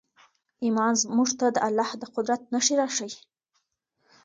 ایمان موږ ته د الله د قدرت نښې راښیي.